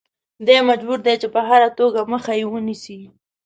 دی مجبور دی چې په هره توګه مخه یې ونیسي.